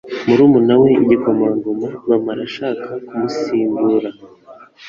murumuna we Igikomangoma Bamara ashaka kumusimbura .